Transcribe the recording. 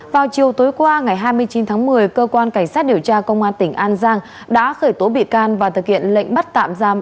vào chiều tối qua ngày hai mươi chín tháng một mươi cơ quan cảnh sát điều tra công an tỉnh an giang đã khởi tố bị can và thực hiện lệnh bắt tạm giam